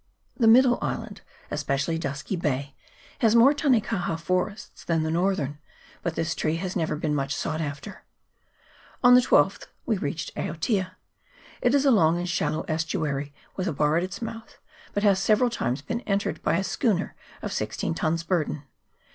The middle island, especially Dusky Bay, has more tanekaha, forests than the northern, but this tree has never been much sought after. On the 12th we reached Aotea. It is a long and shallow estuary, with a bar at its mouth, but has several times been entered by a schooner of sixteen tons burden.